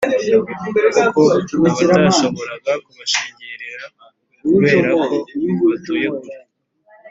Koko, abatashoboraga kubashengerera kubera ko batuye kure,